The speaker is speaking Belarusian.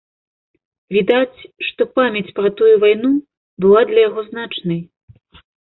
Відаць, што памяць пра тую вайну была для яго значнай.